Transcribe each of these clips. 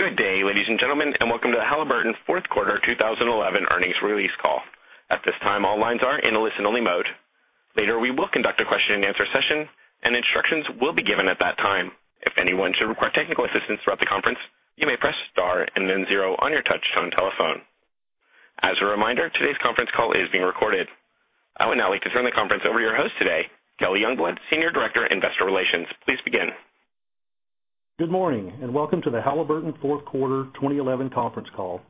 Good day, ladies and gentlemen, and welcome to the Halliburton Fourth Quarter 2011 Earnings Release Call. At this time, all lines are in a listen-only mode. Later, we will conduct a question-and-answer session, and instructions will be given at that time. If anyone should require technical assistance throughout the conference, you may press star and then zero on your touch-tone telephone. As a reminder, today's conference call is being recorded. I would now like to turn the conference over to our host today, Kelly Youngblood, Senior Director, Investor Relations. Please begin. Good morning, and welcome to the Halliburton Fourth Quarter 2011 Conference Call.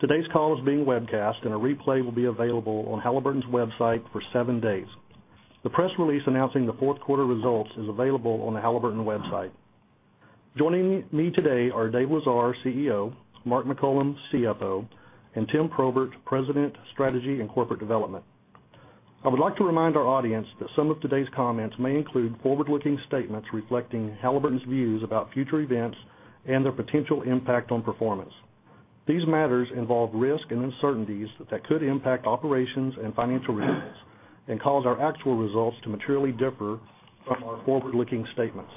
Today's call is being webcast, and a replay will be available on Halliburton's website for seven days. The press release announcing the fourth quarter results is available on the Halliburton website. Joining me today are Dave Lesar, CEO, Mark McCollum, CFO, and Tim Probert, President, Strategy and Corporate Development. I would like to remind our audience that some of today's comments may include forward-looking statements reflecting Halliburton's views about future events and their potential impact on performance. These matters involve risks and uncertainties that could impact operations and financial results and cause our actual results to materially differ from our forward-looking statements.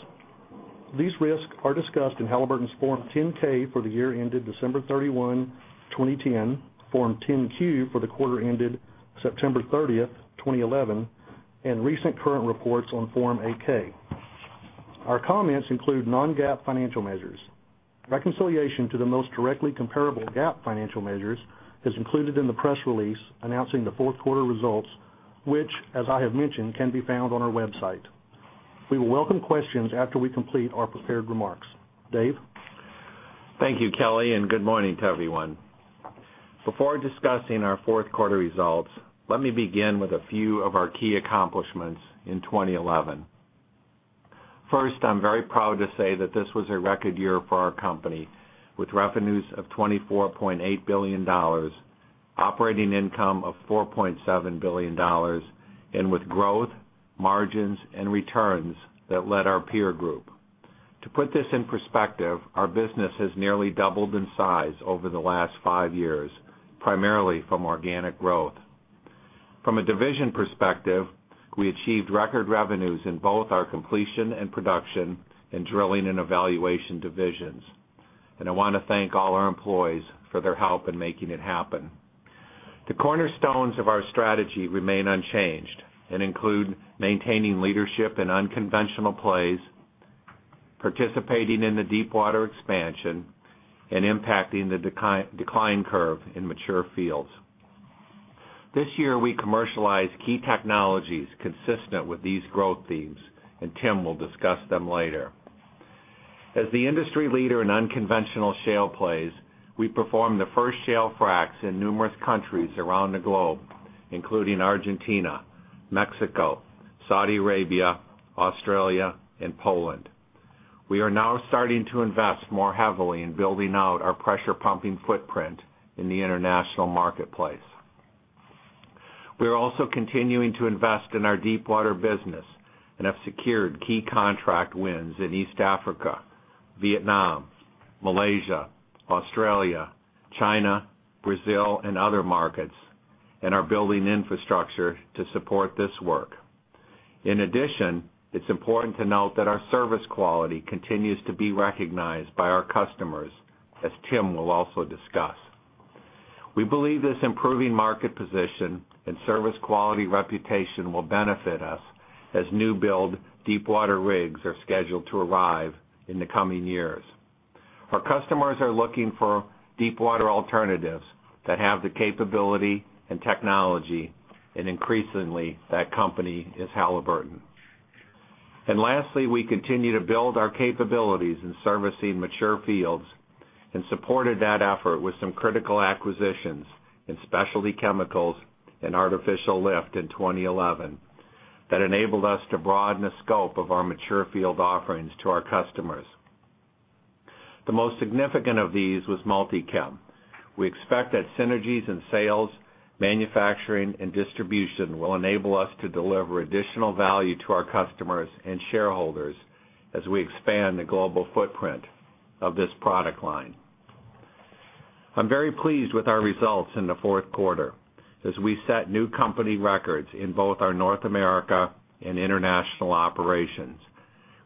These risks are discussed in Halliburton's Form 10-K for the year ended December 31, 2010, Form 10-Q for the quarter ended September 30, 2011, and recent current reports on Form 8-K. Our comments include non-GAAP financial measures. Reconciliation to the most directly comparable GAAP financial measures is included in the press release announcing the fourth quarter results, which, as I have mentioned, can be found on our website. We will welcome questions after we complete our prepared remarks. Dave? Thank you, Kelly, and good morning to everyone. Before discussing our fourth quarter results, let me begin with a few of our key accomplishments in 2011. First, I'm very proud to say that this was a record year for our company, with revenues of $24.8 billion, operating income of $4.7 billion, and with growth, margins, and returns that led our peer group. To put this in perspective, our business has nearly doubled in size over the last five years, primarily from organic growth. From a division perspective, we achieved record revenues in both our completion and production and drilling and evaluation divisions. I want to thank all our employees for their help in making it happen. The cornerstones of our strategy remain unchanged and include maintaining leadership in unconventional plays, participating in the deepwater expansion, and impacting the decline curve in mature fields. This year, we commercialized key technologies consistent with these growth themes, and Tim will discuss them later. As the industry leader in unconventional shale plays, we performed the first shale fracts in numerous countries around the globe, including Argentina, Mexico, Saudi Arabia, Australia, and Poland. We are now starting to invest more heavily in building out our pressure-pumping footprint in the international marketplace. We are also continuing to invest in our deepwater business and have secured key contract wins in East Africa, Vietnam, Malaysia, Australia, China, Brazil, and other markets, and are building infrastructure to support this work. In addition, it's important to note that our service quality continues to be recognized by our customers, as Tim will also discuss. We believe this improving market position and service quality reputation will benefit us as new build deepwater rigs are scheduled to arrive in the coming years. Our customers are looking for deepwater alternatives that have the capability and technology, and increasingly, that company is Halliburton. Lastly, we continue to build our capabilities in servicing mature fields and supported that effort with some critical acquisitions in specialty chemicals and artificial lift in 2011 that enabled us to broaden the scope of our mature field offerings to our customers. The most significant of these was Multi-Chem. We expect that synergies in sales, manufacturing, and distribution will enable us to deliver additional value to our customers and shareholders as we expand the global footprint of this product line. I'm very pleased with our results in the fourth quarter as we set new company records in both our North America and international operations.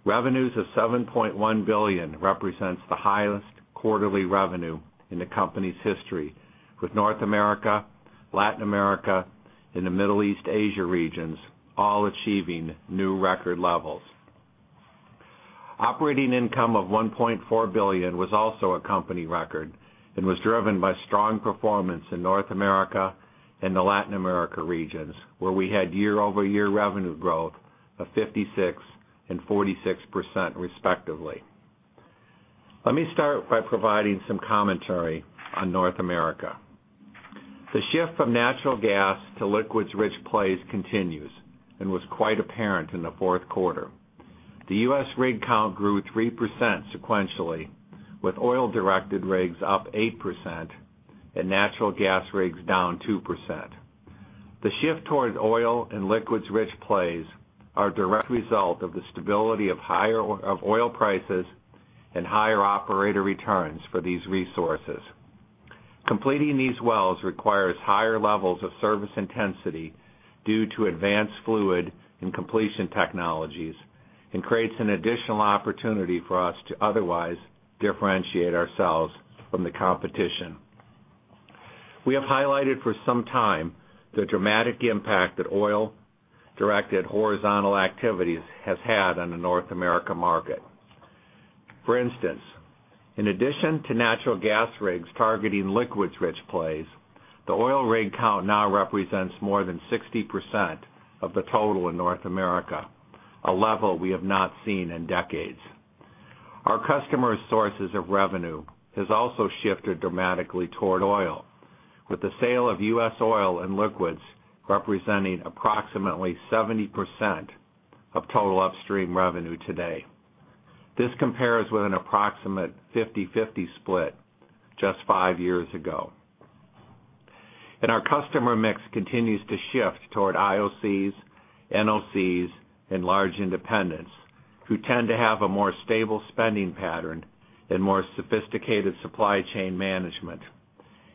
Revenues of $7.1 billion represent the highest quarterly revenue in the company's history, with North America, Latin America, and the Middle East/Asia regions all achieving new record levels. Operating income of $1.4 billion was also a company record and was driven by strong performance in North America and the Latin America regions, where we had year-over-year revenue growth of 56% and 46%, respectively. Let me start by providing some commentary on North America. The shift from natural gas to liquids-rich plays continues and was quite apparent in the fourth quarter. The U.S. rig count grew 3% sequentially, with oil-directed rigs up 8% and natural gas rigs down 2%. The shift towards oil and liquids-rich plays is a direct result of the stability of oil prices and higher operator returns for these resources. Completing these wells requires higher levels of service intensity due to advanced fluid and completion technologies and creates an additional opportunity for us to otherwise differentiate ourselves from the competition. We have highlighted for some time the dramatic impact that oil-directed horizontal activities have had on the North America market. For instance, in addition to natural gas rigs targeting liquids-rich plays, the oil rig count now represents more than 60% of the total in North America, a level we have not seen in decades. Our customers' sources of revenue have also shifted dramatically toward oil, with the sale of U.S. oil and liquids representing approximately 70% of total upstream revenue today. This compares with an approximate 50/50 split just five years ago. Our customer mix continues to shift toward IOCs, NOCs, and large independents who tend to have a more stable spending pattern and more sophisticated supply chain management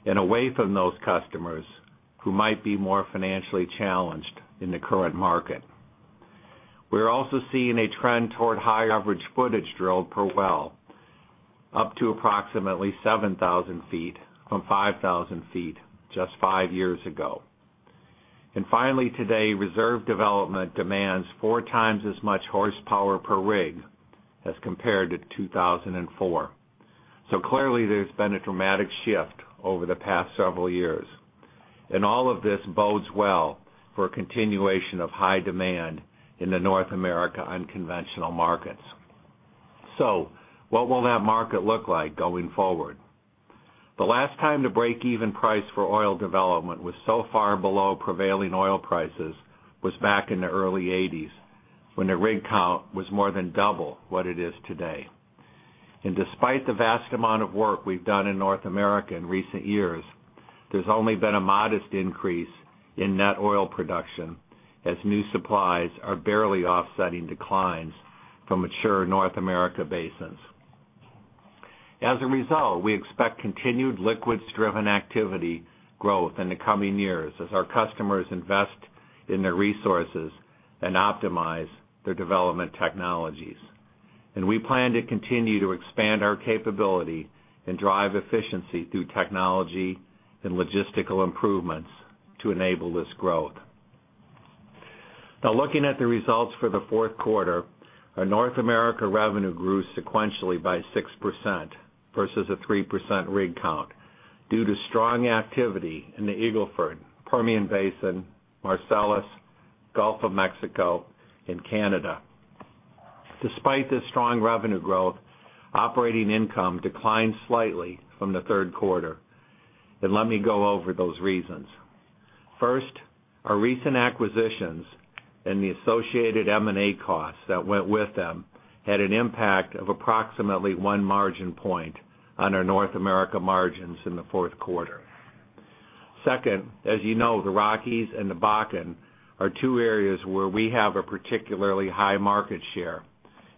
and away from those customers who might be more financially challenged in the current market. We are also seeing a trend toward higher average footage drilled per well up to approximately 7,000 ft from 5,000 ft just five years ago. Finally, today, reserve development demands four times as much horsepower per rig as compared to 2004. Clearly, there's been a dramatic shift over the past several years. All of this bodes well for a continuation of high demand in the North America unconventional markets. What will that market look like going forward? The last time the break-even price for oil development was so far below prevailing oil prices was back in the early 1980s when the rig count was more than double what it is today. Despite the vast amount of work we've done in North America in recent years, there's only been a modest increase in net oil production as new supplies are barely offsetting declines from mature North America basins. As a result, we expect continued liquids-driven activity growth in the coming years as our customers invest in their resources and optimize their development technologies. We plan to continue to expand our capability and drive efficiency through technology and logistical improvements to enable this growth. Now, looking at the results for the fourth quarter, our North America revenue grew sequentially by 6% versus a 3% rig count due to strong activity in the Eagle Ford, Permian Basin, Marcellus, Gulf of Mexico, and Canada. Despite this strong revenue growth, operating income declined slightly from the third quarter. Let me go over those reasons. First, our recent acquisitions and the associated M&A costs that went with them had an impact of approximately one margin point on our North America margins in the fourth quarter. Second, as you know, the Rockies and the Bakken are two areas where we have a particularly high market share,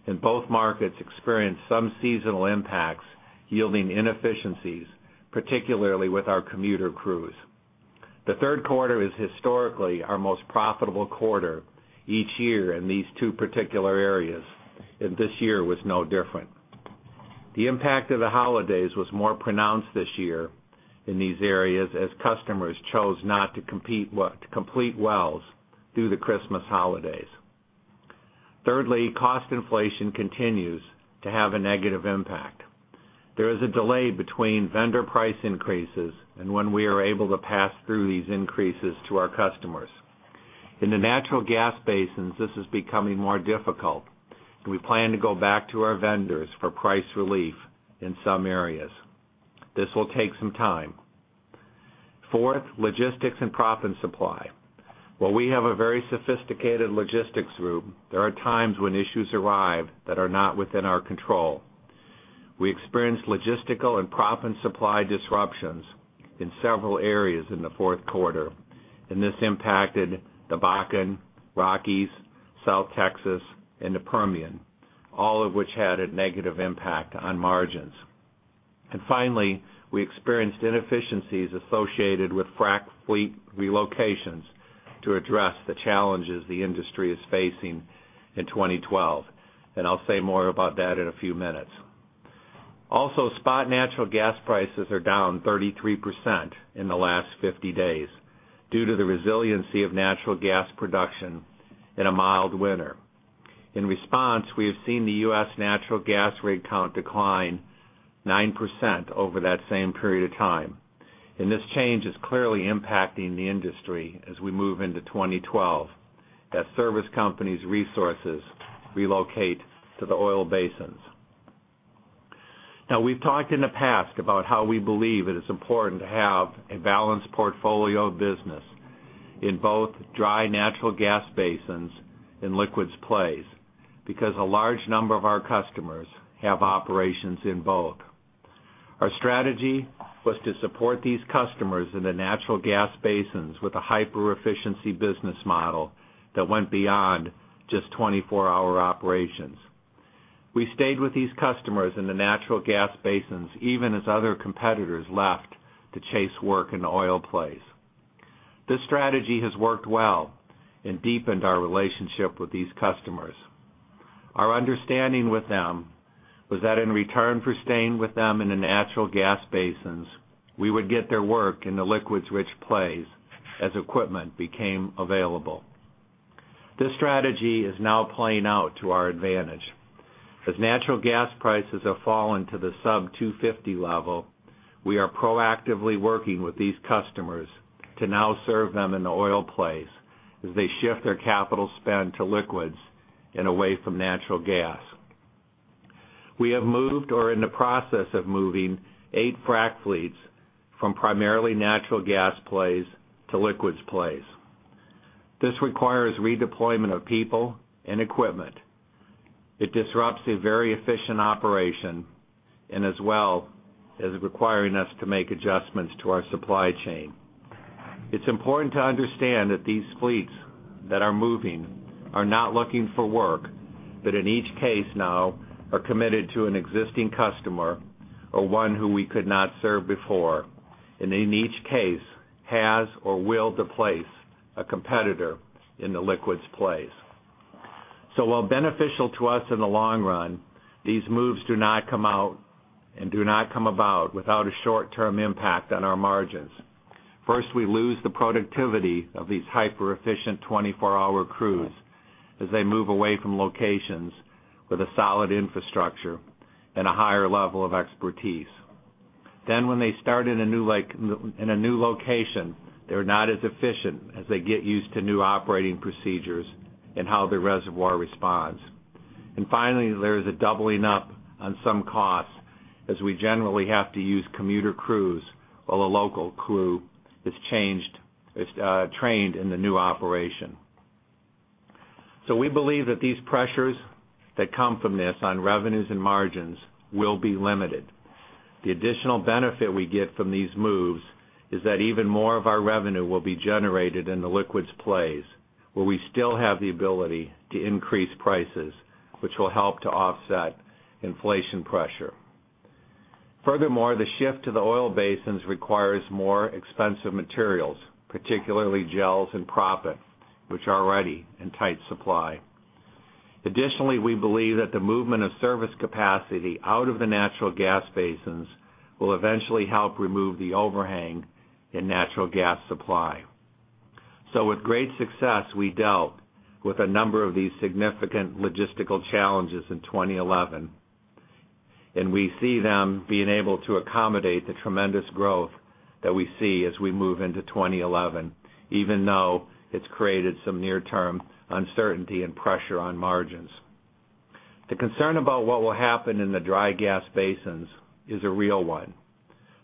and both markets experienced some seasonal impacts yielding inefficiencies, particularly with our commuter crews. The third quarter is historically our most profitable quarter each year in these two particular areas, and this year was no different. The impact of the holidays was more pronounced this year in these areas as customers chose not to complete wells through the Christmas holidays. Thirdly, cost inflation continues to have a negative impact. There is a delay between vendor price increases and when we are able to pass through these increases to our customers. In the natural gas basins, this is becoming more difficult, and we plan to go back to our vendors for price relief in some areas. This will take some time. Fourth, logistics and profit supply. While we have a very sophisticated logistics group, there are times when issues arise that are not within our control. We experienced logistical and profit supply disruptions in several areas in the fourth quarter, and this impacted the Bakken, Rockies, South Texas, and the Permian, all of which had a negative impact on margins. Finally, we experienced inefficiencies associated with frack fleet relocations to address the challenges the industry is facing in 2012. I'll say more about that in a few minutes. Also, spot natural gas prices are down 33% in the last 50 days due to the resiliency of natural gas production in a mild winter. In response, we have seen the U.S. natural gas rig count decline 9% over that same period of time. This change is clearly impacting the industry as we move into 2012 as service companies' resources relocate to the oil basins. We've talked in the past about how we believe it is important to have a balanced portfolio of business in both dry natural gas basins and liquids plays because a large number of our customers have operations in both. Our strategy was to support these customers in the natural gas basins with a hyper-efficiency business model that went beyond just 24-hour operations. We stayed with these customers in the natural gas basins even as other competitors left to chase work in the oil plays. This strategy has worked well and deepened our relationship with these customers. Our understanding with them was that in return for staying with them in the natural gas basins, we would get their work in the liquids-rich plays as equipment became available. This strategy is now playing out to our advantage. As natural gas prices have fallen to the sub-$2.50 level, we are proactively working with these customers to now serve them in the oil plays as they shift their capital spend to liquids and away from natural gas. We have moved or are in the process of moving eight frack fleets from primarily natural gas plays to liquids plays. This requires redeployment of people and equipment. It disrupts a very efficient operation as well as requiring us to make adjustments to our supply chain. It's important to understand that these fleets that are moving are not looking for work, but in each case now are committed to an existing customer or one who we could not serve before, and in each case has or will displace a competitor in the liquids plays. While beneficial to us in the long run, these moves do not come about without a short-term impact on our margins. First, we lose the productivity of these hyper-efficient 24-hour crews as they move away from locations with a solid infrastructure and a higher level of expertise. When they start in a new location, they're not as efficient as they get used to new operating procedures and how the reservoir responds. Finally, there is a doubling up on some costs as we generally have to use commuter crews while a local crew is changed and trained in the new operation. We believe that these pressures that come from this on revenues and margins will be limited. The additional benefit we get from these moves is that even more of our revenue will be generated in the liquids-rich plays, where we still have the ability to increase prices, which will help to offset inflation pressure. Furthermore, the shift to the oil basins requires more expensive materials, particularly gels and proppant, which are already in tight supply. Additionally, we believe that the movement of service capacity out of the natural gas basins will eventually help remove the overhang in natural gas supply. With great success, we dealt with a number of these significant logistical challenges in 2011, and we see them being able to accommodate the tremendous growth that we see as we move into 2011, even though it's created some near-term uncertainty and pressure on margins. The concern about what will happen in the dry gas basins is a real one.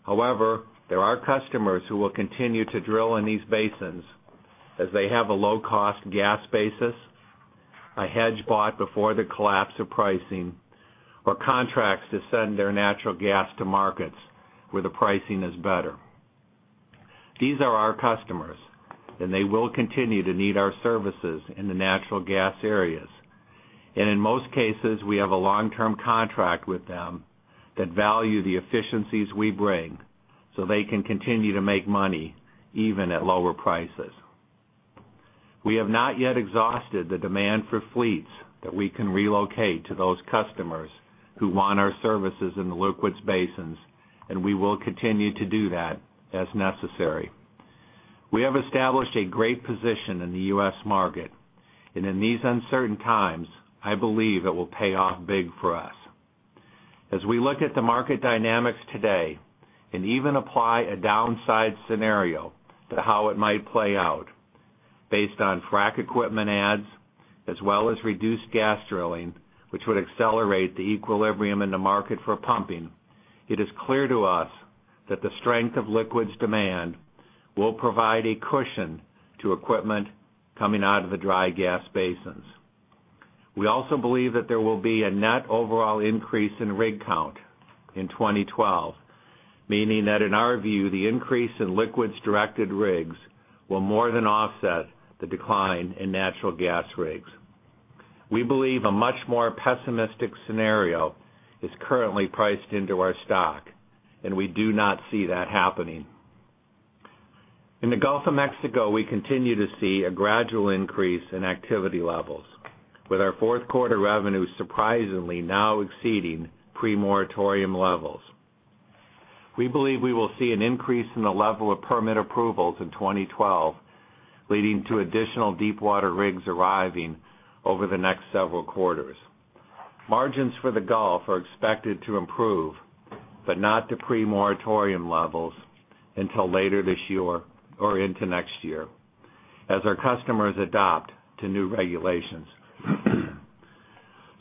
However, there are customers who will continue to drill in these basins as they have a low-cost gas basis, a hedge bought before the collapse of pricing, or contracts to send their natural gas to markets where the pricing is better. These are our customers, and they will continue to need our services in the natural gas areas. In most cases, we have a long-term contract with them that values the efficiencies we bring so they can continue to make money even at lower prices. We have not yet exhausted the demand for frack fleets that we can relocate to those customers who want our services in the liquids-rich basins, and we will continue to do that as necessary. We have established a great position in the U.S. market, and in these uncertain times, I believe it will pay off big for us. As we look at the market dynamics today and even apply a downside scenario to how it might play out based on frack equipment adds as well as reduced gas drilling, which would accelerate the equilibrium in the market for pumping, it is clear to us that the strength of liquids demand will provide a cushion to equipment coming out of the dry gas basins. We also believe that there will be a net overall increase in rig count in 2012, meaning that in our view, the increase in liquids-directed rigs will more than offset the decline in natural gas rigs. We believe a much more pessimistic scenario is currently priced into our stock, and we do not see that happening. In the Gulf of Mexico, we continue to see a gradual increase in activity levels, with our fourth quarter revenues surprisingly now exceeding pre-moratorium levels. We believe we will see an increase in the level of permit approvals in 2012, leading to additional deepwater rigs arriving over the next several quarters. Margins for the Gulf are expected to improve, but not to pre-moratorium levels until later this year or into next year as our customers adopt new regulations.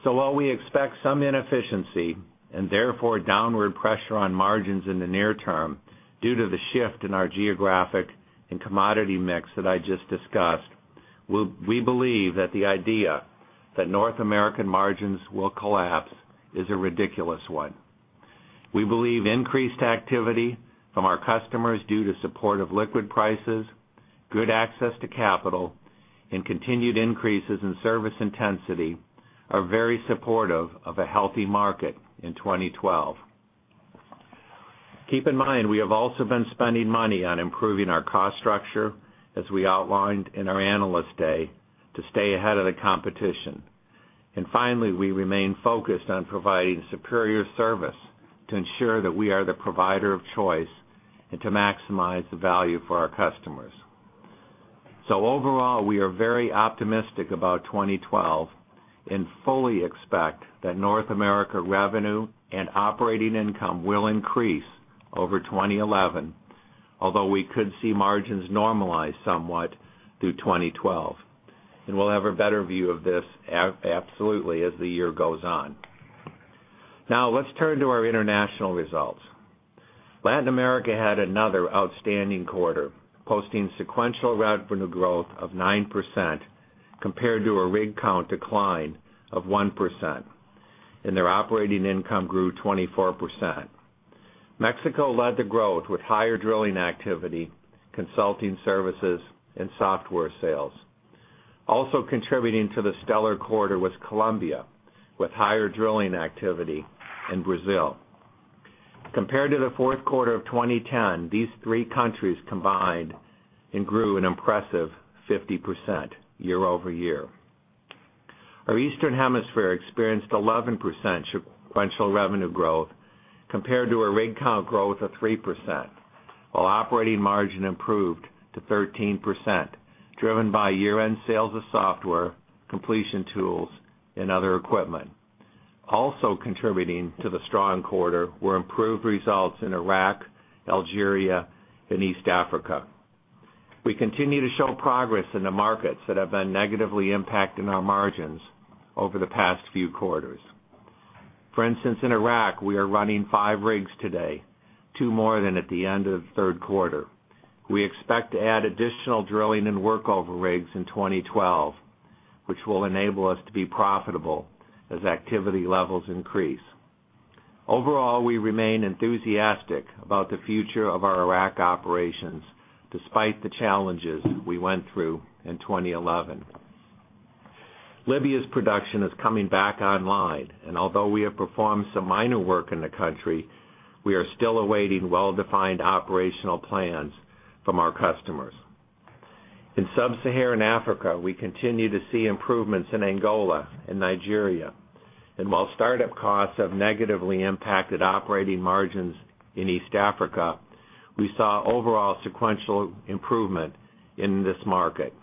While we expect some inefficiency and therefore downward pressure on margins in the near term due to the shift in our geographic and commodity mix that I just discussed, we believe that the idea that North American margins will collapse is a ridiculous one. We believe increased activity from our customers due to support of liquid prices, good access to capital, and continued increases in service intensity are very supportive of a healthy market in 2012. Keep in mind, we have also been spending money on improving our cost structure, as we outlined in our analyst day, to stay ahead of the competition. Finally, we remain focused on providing superior service to ensure that we are the provider of choice and to maximize the value for our customers. Overall, we are very optimistic about 2012 and fully expect that North America revenue and operating income will increase over 2011, although we could see margins normalize somewhat through 2012. We'll have a better view of this absolutely as the year goes on. Now, let's turn to our international results. Latin America had another outstanding quarter, posting sequential revenue growth of 9% compared to a rig count decline of 1%, and their operating income grew 24%. Mexico led the growth with higher drilling activity, consulting services, and software sales. Also contributing to the stellar quarter was Colombia, with higher drilling activity, and Brazil. Compared to the fourth quarter of 2010, these three countries combined and grew an impressive 50% year-over-year. Our Eastern Hemisphere experienced 11% sequential revenue growth compared to a rig count growth of 3%, while operating margin improved to 13%, driven by year-end sales of software, completion tools, and other equipment. Also contributing to the strong quarter were improved results in Iraq, Algeria, and East Africa. We continue to show progress in the markets that have been negatively impacting our margins over the past few quarters. For instance, in Iraq, we are running five rigs today, two more than at the end of the third quarter. We expect to add additional drilling and workover rigs in 2012, which will enable us to be profitable as activity levels increase. Overall, we remain enthusiastic about the future of our Iraq operations despite the challenges we went through in 2011. Libya's production is coming back online, and although we have performed some minor work in the country, we are still awaiting well-defined operational plans from our customers. In Sub-Saharan Africa, we continue to see improvements in Angola and Nigeria. While startup costs have negatively impacted operating margins in East Africa, we saw overall sequential improvement in this market.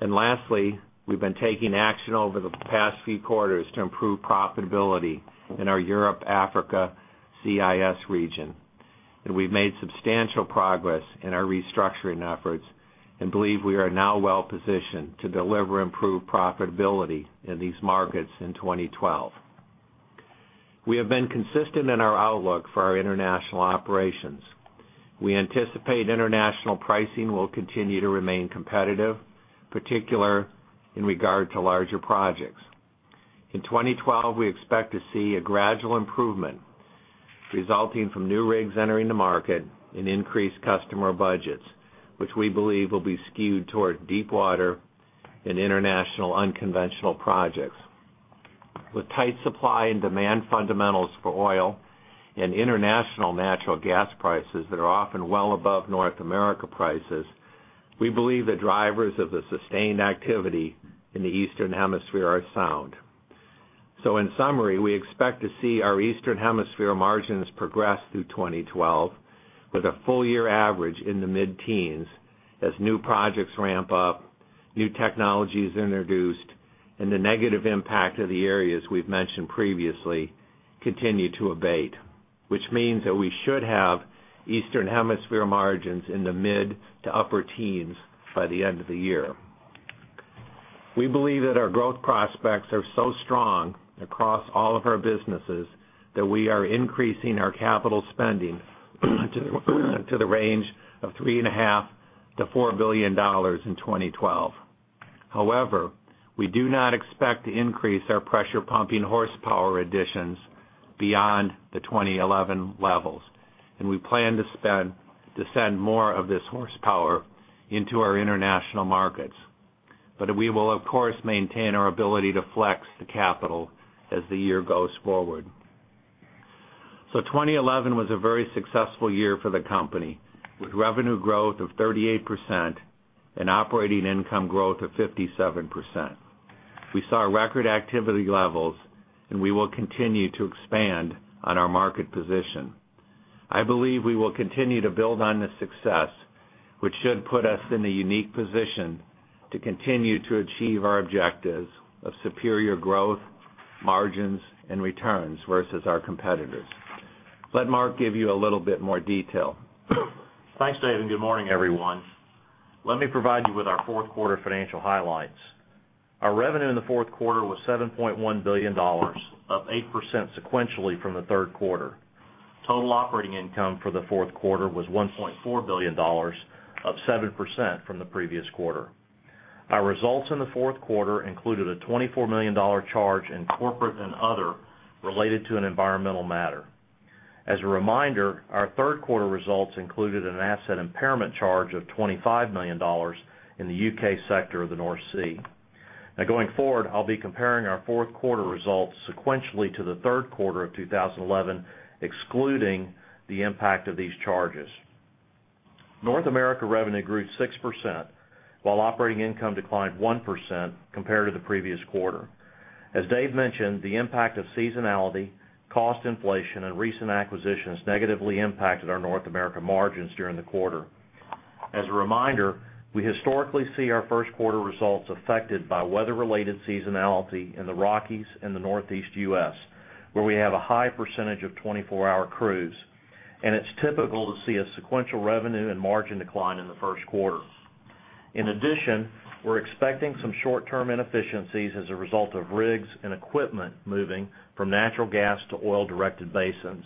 Lastly, we've been taking action over the past few quarters to improve profitability in our Europe/Africa/CIS region. We've made substantial progress in our restructuring efforts and believe we are now well-positioned to deliver improved profitability in these markets in 2012. We have been consistent in our outlook for our international operations. We anticipate international pricing will continue to remain competitive, particularly in regard to larger projects. In 2012, we expect to see a gradual improvement resulting from new rigs entering the market and increased customer budgets, which we believe will be skewed toward deepwater and international unconventional projects. With tight supply and demand fundamentals for oil and international natural gas prices that are often well above North America prices, we believe the drivers of the sustained activity in the Eastern Hemisphere are sound. In summary, we expect to see our Eastern Hemisphere margins progress through 2012 with a full-year average in the mid-teens as new projects ramp up, new technologies are introduced, and the negative impact of the areas we've mentioned previously continues to abate, which means that we should have Eastern Hemisphere margins in the mid to upper teens by the end of the year. We believe that our growth prospects are so strong across all of our businesses that we are increasing our capital spending to the range of $3.5 billion-$4 billion in 2012. However, we do not expect to increase our pressure-pumping horsepower additions beyond the 2011 levels, and we plan to send more of this horsepower into our international markets. We will, of course, maintain our ability to flex the capital as the year goes forward. 2011 was a very successful year for the company with revenue growth of 38% and operating income growth of 57%. We saw record activity levels, and we will continue to expand on our market position. I believe we will continue to build on the success, which should put us in a unique position to continue to achieve our objectives of superior growth, margins, and returns versus our competitors. Let Mark give you a little bit more detail. Thanks, Dave, and good morning, everyone. Let me provide you with our fourth quarter financial highlights. Our revenue in the fourth quarter was $7.1 billion, up 8% sequentially from the third quarter. Total operating income for the fourth quarter was $1.4 billion, up 7% from the previous quarter. Our results in the fourth quarter included a $24 million charge in corporate and other related to environmental matter. As a reminder, our third quarter results included an asset impairment charge of $25 million in the U.K. sector of the North Sea. Now, going forward, I'll be comparing our fourth quarter results sequentially to the third quarter of 2011, excluding the impact of these charges. North America revenue grew 6%, while operating income declined 1% compared to the previous quarter. As Dave mentioned, the impact of seasonality, cost inflation, and recent acquisitions negatively impacted our North America margins during the quarter. As a reminder, we historically see our first quarter results affected by weather-related seasonality in the Rockies and the Northeast U.S., where we have a high percentage of 24-hour crews. It's typical to see a sequential revenue and margin decline in the first quarters. In addition, we're expecting some short-term inefficiencies as a result of rigs and equipment moving from natural gas to oil-directed basins.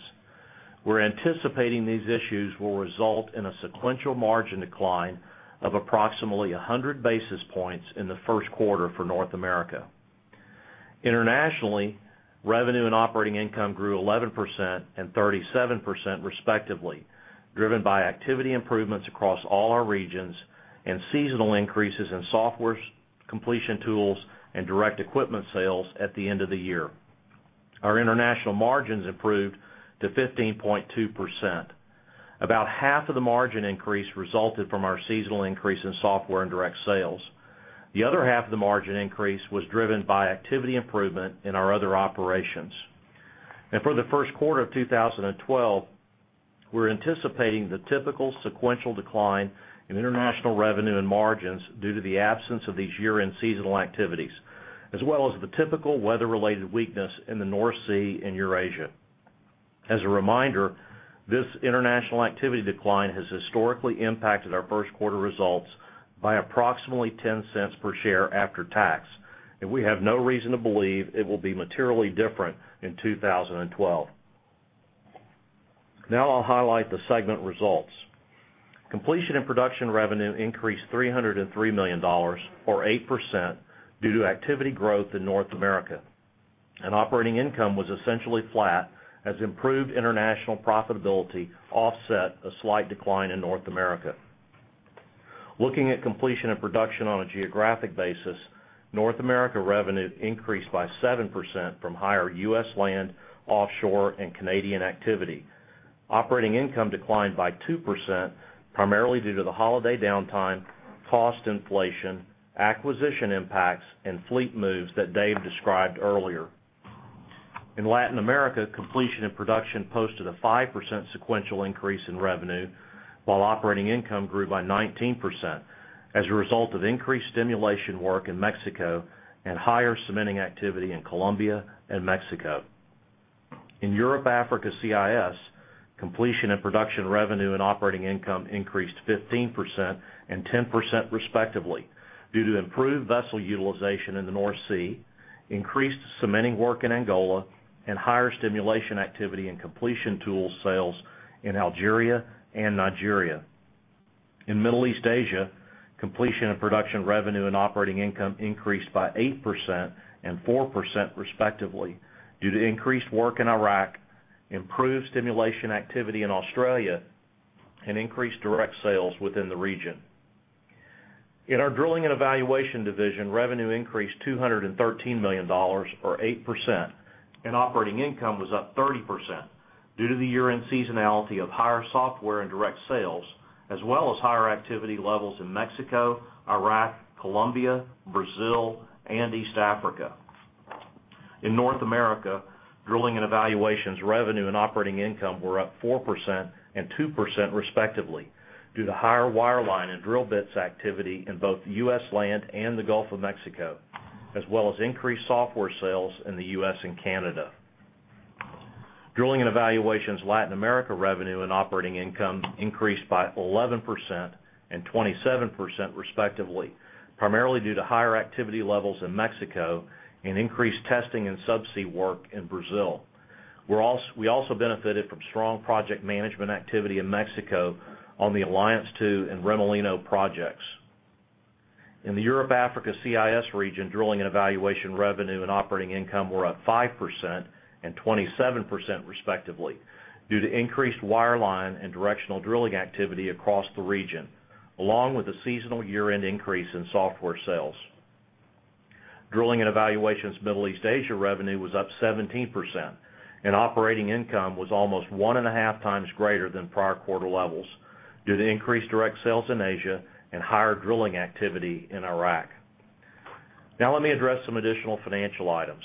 We're anticipating these issues will result in a sequential margin decline of approximately 100 basis points in the first quarter for North America. Internationally, revenue and operating income grew 11% and 37% respectively, driven by activity improvements across all our regions and seasonal increases in software completion tools and direct equipment sales at the end of the year. Our international margins improved to 15.2%. About half of the margin increase resulted from our seasonal increase in software and direct sales. The other half of the margin increase was driven by activity improvement in our other operations. For the first quarter of 2012, we're anticipating the typical sequential decline in international revenue and margins due to the absence of these year-end seasonal activities, as well as the typical weather-related weakness in the North Sea and Eurasia. As a reminder, this international activity decline has historically impacted our first quarter results by approximately $0.10 per share after tax, and we have no reason to believe it will be materially different in 2012. Now, I'll highlight the segment results. Completion and production revenue increased $303 million, or 8%, due to activity growth in North America. Operating income was essentially flat as improved international profitability offset a slight decline in North America. Looking at completion and production on a geographic basis, North America revenue increased by 7% from higher U.S. land, offshore, and Canadian activity. Operating income declined by 2%, primarily due to the holiday downtime, cost inflation, acquisition impacts, and fleet moves that Dave described earlier. In Latin America, completion and production posted a 5% sequential increase in revenue, while operating income grew by 19% as a result of increased stimulation work in Mexico and higher cementing activity in Colombia and Mexico. In Europe/Africa/CIS, completion and production revenue and operating income increased 15% and 10% respectively due to improved vessel utilization in the North Sea, increased cementing work in Angola, and higher stimulation activity and completion tools sales in Algeria and Nigeria. In Middle East/Asia, completion and production revenue and operating income increased by 8% and 4% respectively due to increased work in Iraq, improved stimulation activity in Australia, and increased direct sales within the region. In our drilling and evaluation division, revenue increased $213 million, or 8%, and operating income was up 30% due to the year-end seasonality of higher software and direct sales as well as higher activity levels in Mexico, Iraq, Colombia, Brazil, and East Africa. In North America, drilling and evaluation revenue and operating income were up 4% and 2% respectively due to higher wireline and drill bits activity in both U.S. land and the Gulf of Mexico, as well as increased software sales in the U.S. and Canada. Drilling and evaluation Latin America revenue and operating income increased by 11% and 27% respectively, primarily due to higher activity levels in Mexico and increased testing and subsea work in Brazil. We also benefited from strong project management activity in Mexico on the Alliance II and Remolino projects. In the Europe/Africa/CIS region, drilling and evaluation revenue and operating income were up 5% and 27% respectively due to increased wireline and directional drilling activity across the region, along with the seasonal year-end increase in software sales. Drilling and evaluation's Middle East/Asia revenue was up 17%, and operating income was almost one and a half times greater than prior quarter levels due to increased direct sales in Asia and higher drilling activity in Iraq. Now, let me address some additional financial items.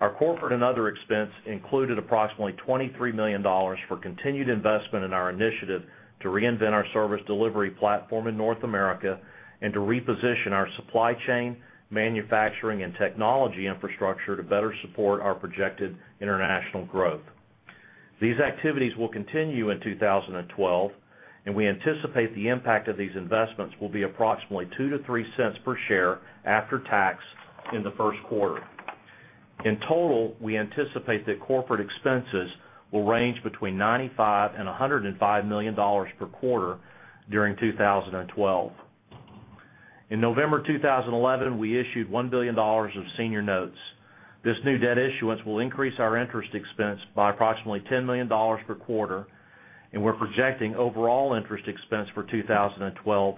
Our corporate and other expense included approximately $23 million for continued investment in our initiative to reinvent our service delivery platform in North America and to reposition our supply chain, manufacturing, and technology infrastructure to better support our projected international growth. These activities will continue in 2012, and we anticipate the impact of these investments will be approximately $0.02-$0.03 per share after tax in the first quarter. In total, we anticipate that corporate expenses will range between $95 million and $105 million per quarter during 2012. In November 2011, we issued $1 billion of senior notes. This new debt issuance will increase our interest expense by approximately $10 million per quarter, and we're projecting overall interest expense for 2012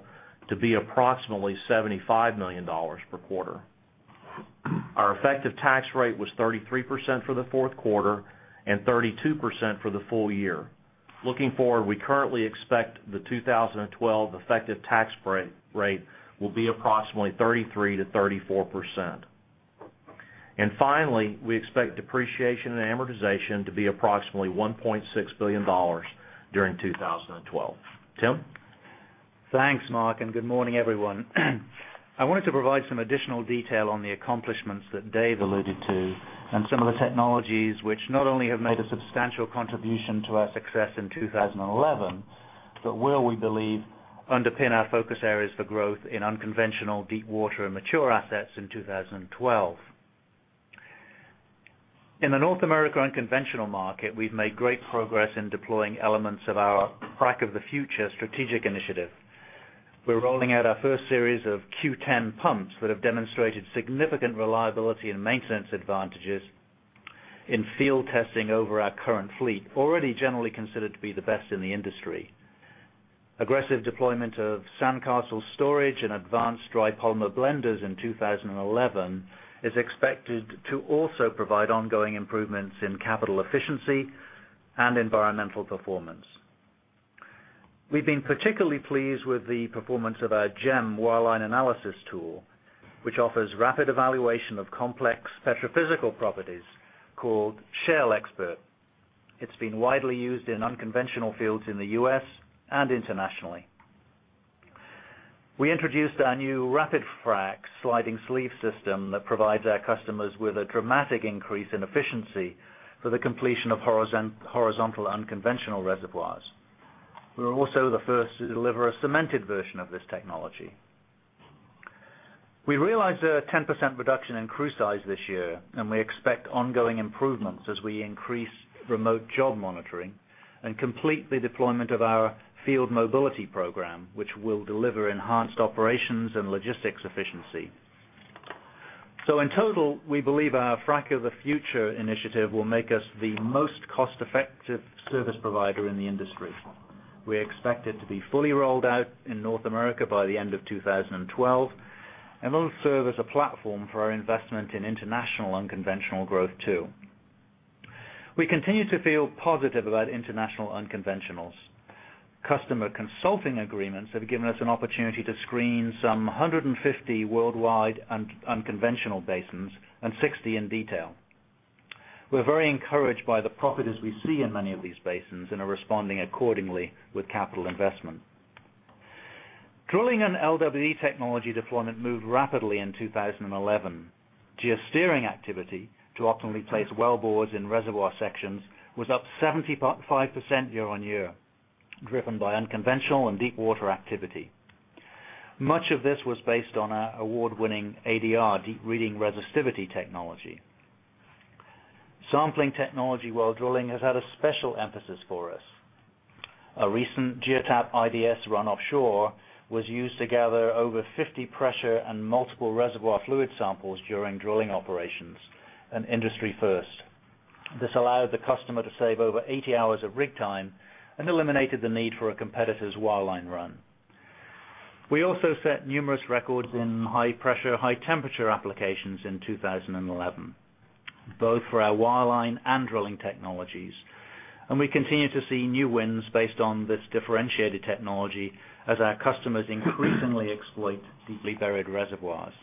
to be approximately $75 million per quarter. Our effective tax rate was 33% for the fourth quarter and 32% for the full year. Looking forward, we currently expect the 2012 effective tax rate will be approximately 33%-34%. Finally, we expect depreciation and amortization to be approximately $1.6 billion during 2012. Tim? Thanks, Mark, and good morning, everyone. I wanted to provide some additional detail on the accomplishments that Dave alluded to and some of the technologies which not only have made a substantial contribution to our success in 2011, but where we believe underpin our focus areas for growth in unconventional, deepwater, and mature assets in 2012. In the North America unconventional market, we've made great progress in deploying elements of our PRAC of the Future strategic initiative. We're rolling out our first series of Q10 pumps that have demonstrated significant reliability and maintenance advantages in field testing over our current fleet, already generally considered to be the best in the industry. Aggressive deployment of SandCastle storage and advanced dry polymer blenders in 2011 is expected to also provide ongoing improvements in capital efficiency and environmental performance. We've been particularly pleased with the performance of our GEM wireline analysis tool, which offers rapid evaluation of complex petrophysical properties called Shale Expert. It's been widely used in unconventional fields in the U.S. and internationally. We introduced our new RapidFrac sliding sleeve system that provides our customers with a dramatic increase in efficiency for the completion of horizontal unconventional reservoirs. We're also the first to deliver a cemented version of this technology. We realized a 10% reduction in crew size this year, and we expect ongoing improvements as we increase remote job monitoring and complete the deployment of our field mobility program, which will deliver enhanced operations and logistics efficiency. In total, we believe our Frac of the Future initiative will make us the most cost-effective service provider in the industry. We expect it to be fully rolled out in North America by the end of 2012 and will serve as a platform for our investment in international unconventional growth too. We continue to feel positive about international unconventionals. Customer consulting agreements have given us an opportunity to screen some 150 worldwide unconventional basins and 60 in detail. We're very encouraged by the profit as we see in many of these basins and are responding accordingly with capital investment. Drilling and LWD technology deployment moved rapidly in 2011. Geosteering activity to optimally place well bores in reservoir sections was up 75% year on year, driven by unconventional and deepwater activity. Much of this was based on our award-winning ADR, deep reading resistivity technology. Sampling technology while drilling has had a special emphasis for us. A recent GeoTap IDS run offshore was used to gather over 50 pressure and multiple reservoir fluid samples during drilling operations, an industry first. This allowed the customer to save over 80 hours of rig time and eliminated the need for a competitor's wireline run. We also set numerous records in high-pressure, high-temperature applications in 2011, both for our wireline and drilling technologies, and we continue to see new wins based on this differentiated technology as our customers increasingly exploit deeply buried reservoirs.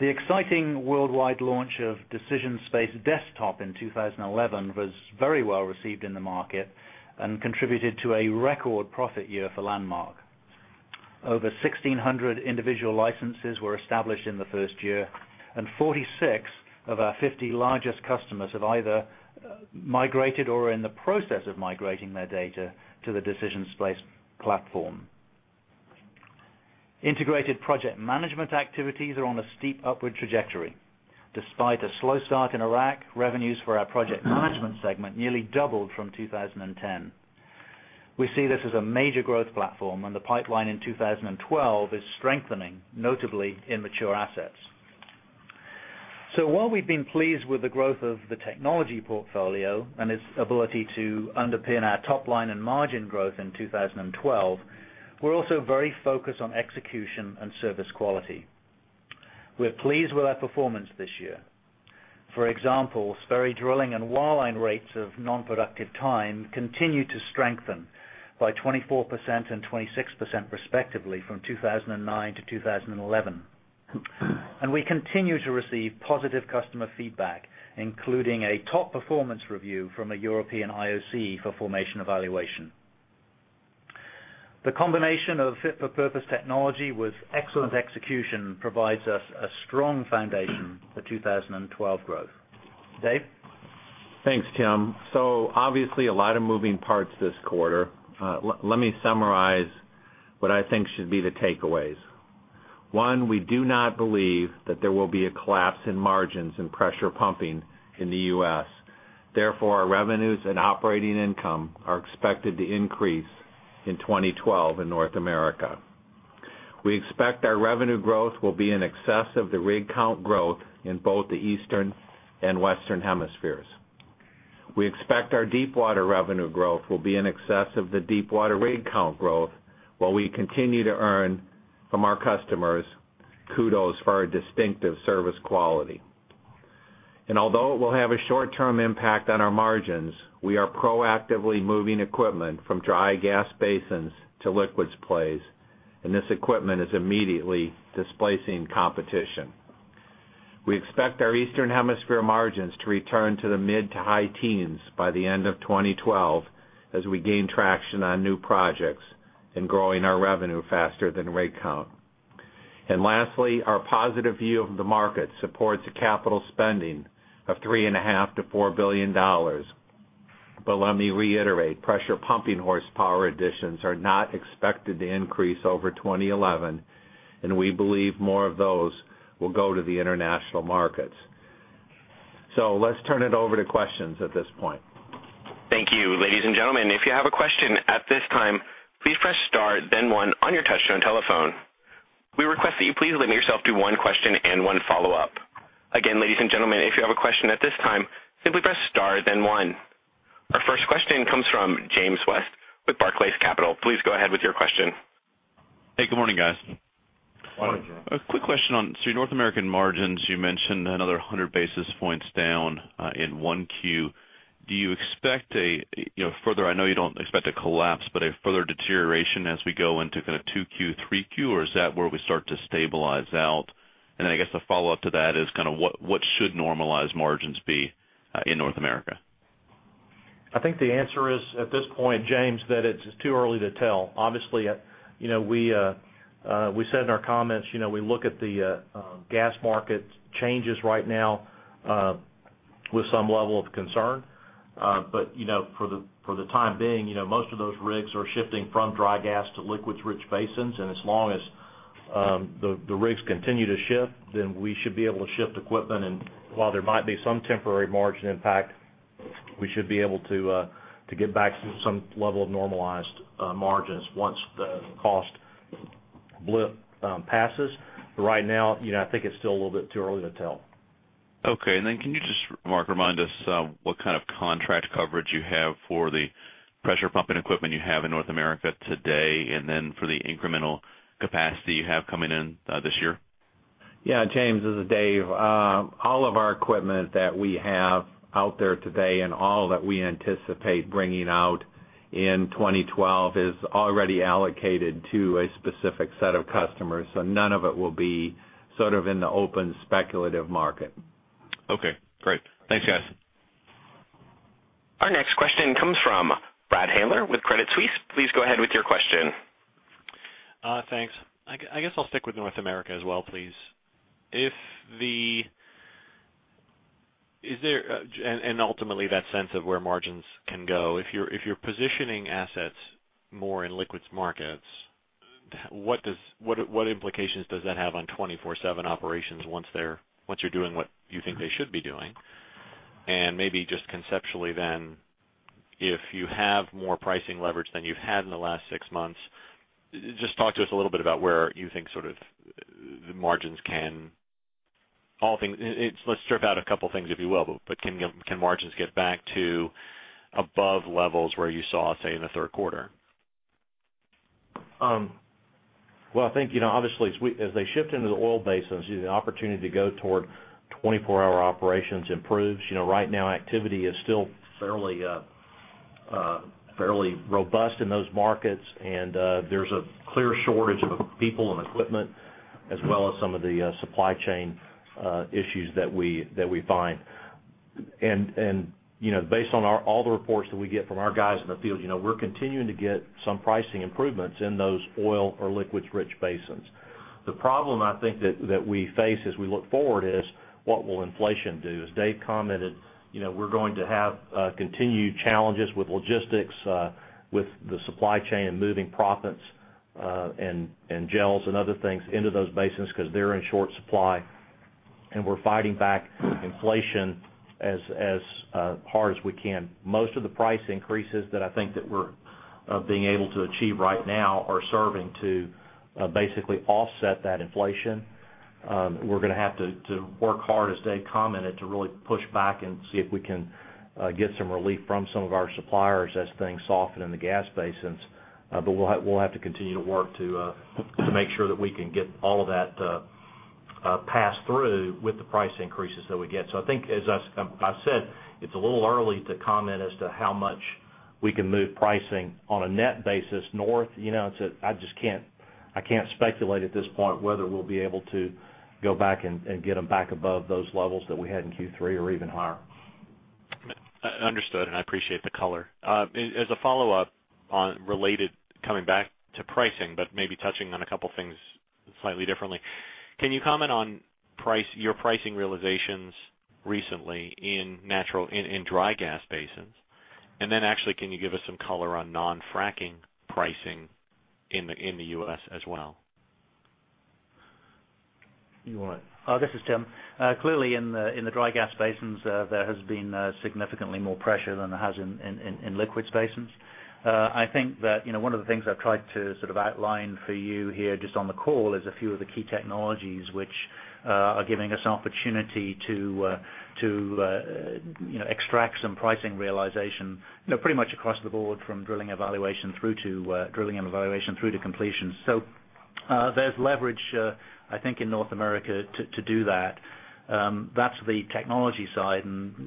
The exciting worldwide launch of DecisionSpace Desktop in 2011 was very well received in the market and contributed to a record profit year for Landmark. Over 1,600 individual licenses were established in the first year, and 46 of our 50 largest customers have either migrated or are in the process of migrating their data to the DecisionSpace platform. Integrated project management activities are on a steep upward trajectory. Despite a slow start in Iraq, revenues for our project management segment nearly doubled from 2010. We see this as a major growth platform, and the pipeline in 2012 is strengthening, notably in mature assets. While we've been pleased with the growth of the technology portfolio and its ability to underpin our top line and margin growth in 2012, we're also very focused on execution and service quality. We're pleased with our performance this year. For example, spurry drilling and wireline rates of nonproductive time continue to strengthen by 24% and 26% respectively from 2009-2011. We continue to receive positive customer feedback, including a top performance review from a European IOC for formation evaluation. The combination of fit-for-purpose technology with excellent execution provides us a strong foundation for 2012 growth. Dave? Thanks, Tim. Obviously, a lot of moving parts this quarter. Let me summarize what I think should be the takeaways. One, we do not believe that there will be a collapse in margins and pressure pumping in the U.S. Therefore, our revenues and operating income are expected to increase in 2012 in North America. We expect our revenue growth will be in excess of the rig count growth in both the Eastern and Western Hemispheres. We expect our deepwater revenue growth will be in excess of the deepwater rig count growth while we continue to earn from our customers kudos for our distinctive service quality. Although it will have a short-term impact on our margins, we are proactively moving equipment from dry gas basins to liquids-rich plays, and this equipment is immediately displacing competition. We expect our Eastern Hemisphere margins to return to the mid to high teens by the end of 2012 as we gain traction on new projects and grow our revenue faster than rig count. Lastly, our positive view of the market supports a capital spending of $3.5 billion-$4 billion. Let me reiterate, pressure pumping horsepower additions are not expected to increase over 2011, and we believe more of those will go to the international markets. Let's turn it over to questions at this point. Thank you. Ladies and gentlemen, if you have a question at this time, please press star, then one on your touch-tone telephone. We request that you please let yourself do one question and one follow-up. Again, ladies and gentlemen, if you have a question at this time, simply press star, then one. Our first question comes from James West with Barclays Capital. Please go ahead with your question. Hey, good morning, guys. A quick question on, so your North American margins, you mentioned another 100 basis points down in 1Q. Do you expect a further, I know you don't expect a collapse, but a further deterioration as we go into kind of 2Q, 3Q, or is that where we start to stabilize out? I guess the follow-up to that is kind of what should normalized margins be in North America? I think the answer is at this point, James, that it's too early to tell. Obviously, you know, we said in our comments, you know, we look at the gas market changes right now with some level of concern. For the time being, you know, most of those rigs are shifting from dry gas to liquids-rich basins. As long as the rigs continue to shift, then we should be able to shift equipment. While there might be some temporary margin impact, we should be able to get back to some level of normalized margins once the cost passes. Right now, you know, I think it's still a little bit too early to tell. Okay. Can you just, Mark, remind us what kind of contract coverage you have for the pressure pumping equipment you have in North America today, and for the incremental capacity you have coming in this year? Yeah, James, this is Dave. All of our equipment that we have out there today and all that we anticipate bringing out in 2012 is already allocated to a specific set of customers. None of it will be sort of in the open speculative market. Okay, great. Thanks, guys. Our next question comes from Brad Handler with Credit Suisse. Please go ahead with your question. Thanks. I guess I'll stick with North America as well, please. If there is, and ultimately that sense of where margins can go, if you're positioning assets more in liquids markets, what implications does that have on 24/7 operations once you're doing what you think they should be doing? Maybe just conceptually then, if you have more pricing leverage than you've had in the last six months, just talk to us a little bit about where you think sort of the margins can, all things, let's strip out a couple of things, if you will, but can margins get back to above levels where you saw, say, in the third quarter? I think, you know, obviously, as they shift into the oil basins, the opportunity to go toward 24-hour operations improves. Right now, activity is still fairly robust in those markets, and there's a clear shortage of people and equipment, as well as some of the supply chain issues that we find. Based on all the reports that we get from our guys in the field, we're continuing to get some pricing improvements in those oil or liquids-rich basins. The problem I think that we face as we look forward is what will inflation do? As Dave commented, we're going to have continued challenges with logistics, with the supply chain and moving profits and gels and other things into those basins because they're in short supply. We're fighting back inflation as hard as we can. Most of the price increases that I think that we're being able to achieve right now are serving to basically offset that inflation. We're going to have to work hard, as Dave commented, to really push back and see if we can get some relief from some of our suppliers as things soften in the gas basins. We'll have to continue to work to make sure that we can get all of that passed through with the price increases that we get. I think, as I've said, it's a little early to comment as to how much we can move pricing on a net basis north. I just can't speculate at this point whether we'll be able to go back and get them back above those levels that we had in Q3 or even higher. Understood, and I appreciate the color. As a follow-up on related coming back to pricing, but maybe touching on a couple of things slightly differently, can you comment on your pricing realizations recently in natural in dry gas basins? Can you give us some color on non-fracking pricing in the U.S. as well? You want it? This is Tim. Clearly, in the dry gas basins, there has been significantly more pressure than there has been in liquids basins. I think that one of the things I've tried to sort of outline for you here just on the call is a few of the key technologies which are giving us an opportunity to extract some pricing realization, pretty much across the board from drilling and evaluation through to completion. There's leverage, I think, in North America to do that. That's the technology side.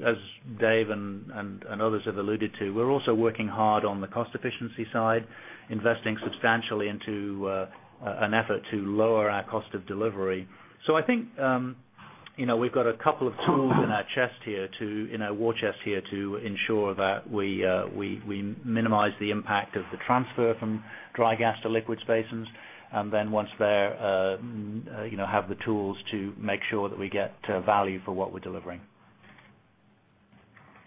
As Dave and others have alluded to, we're also working hard on the cost efficiency side, investing substantially into an effort to lower our cost of delivery. I think we've got a couple of tools in our chest here, in our war chest here, to ensure that we minimize the impact of the transfer from dry gas to liquids basins. Once there, we have the tools to make sure that we get value for what we're delivering.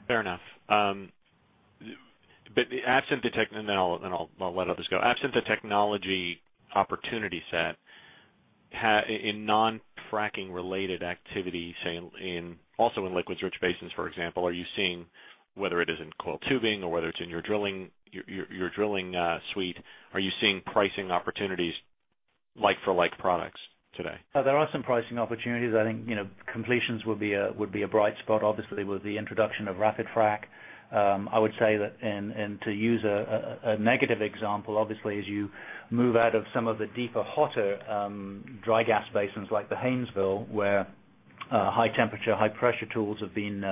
Fair enough. The absence of technology, and then I'll let others go, absence of technology opportunity set in non-fracking related activity, say, also in liquids-rich basins, for example, are you seeing, whether it is in coil tubing or whether it's in your drilling suite, are you seeing pricing opportunities like for like products today? There are some pricing opportunities. I think, you know, completions would be a bright spot, obviously, with the introduction of RapidFrac. I would say that, and to use a negative example, obviously, as you move out of some of the deeper, hotter dry gas basins like the Hainesville, where high temperature, high pressure tools have been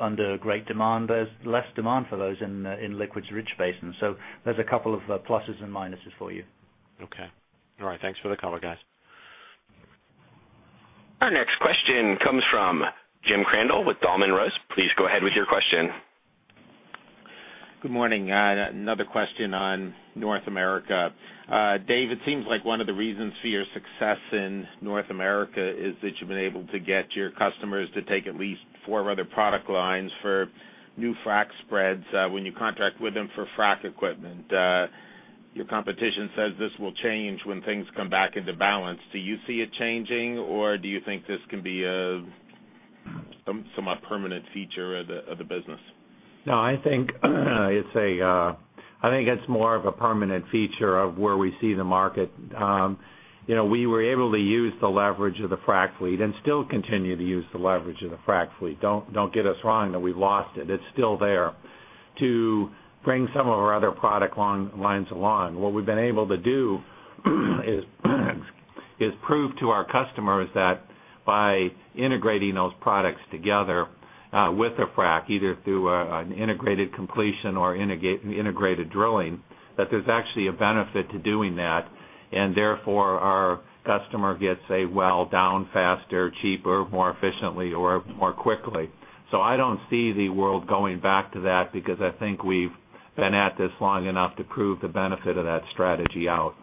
under great demand, there's less demand for those in liquids-rich basins. There are a couple of pluses and minuses for you. Okay. All right. Thanks for the color, guys. Our next question comes from Jim Crandall with Dahlman Rose. Please go ahead with your question. Good morning. Another question on North America. Dave, it seems like one of the reasons for your success in North America is that you've been able to get your customers to take at least four other product lines for new frac spreads when you contract with them for frac equipment. Your competition says this will change when things come back into balance. Do you see it changing, or do you think this can be a somewhat permanent feature of the business? No, I think it's more of a permanent feature of where we see the market. We were able to use the leverage of the frac fleet and still continue to use the leverage of the frac fleet. Don't get us wrong that we've lost it. It's still there. To bring some of our other product lines along, what we've been able to do is prove to our customers that by integrating those products together with a frac, either through an integrated completion or integrated drilling, there's actually a benefit to doing that. Therefore, our customer gets a well down faster, cheaper, more efficiently, or more quickly. I don't see the world going back to that because I think we've been at this long enough to prove the benefit of that strategy out.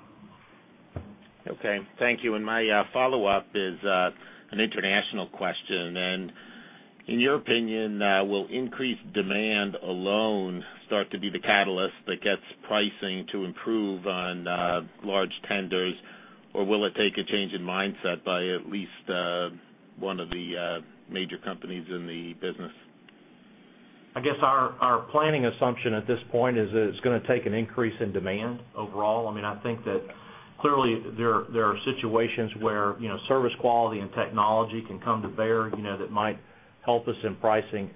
Thank you. My follow-up is an international question. In your opinion, will increased demand alone start to be the catalyst that gets pricing to improve on large tenders, or will it take a change in mindset by at least one of the major companies in the business? I guess our planning assumption at this point is that it's going to take an increase in demand overall. I think that clearly there are situations where service quality and technology can come to bear that might help us in pricing.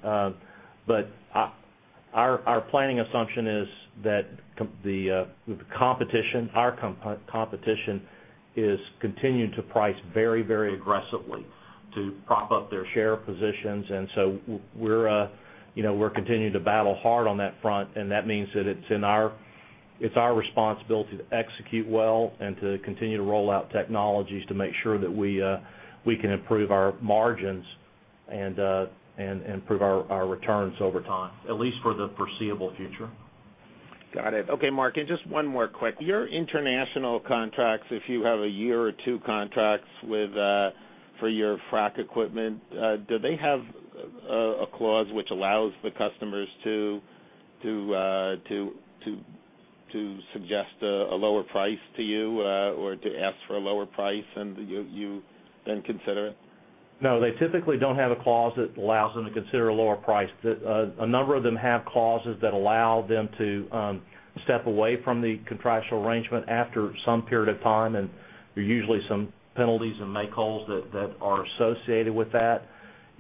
Our planning assumption is that the competition, our competition is continuing to price very, very aggressively to prop up their share positions. We're continuing to battle hard on that front. That means that it's our responsibility to execute well and to continue to roll out technologies to make sure that we can improve our margins and improve our returns over time, at least for the foreseeable future. Got it. Okay, Mark, and just one more quick. Your international contracts, if you have a year or two contracts for your frac equipment, do they have a clause which allows the customers to suggest a lower price to you or to ask for a lower price and you then consider it? No, they typically don't have a clause that allows them to consider a lower price. A number of them have clauses that allow them to step away from the contractual arrangement after some period of time, and there are usually some penalties and make wholes that are associated with that.